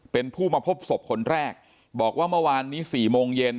เป็นผู้มาพบศพคนแรกบอกว่าเมื่อวานนี้๔โมงเย็น